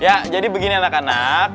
ya jadi begini anak anak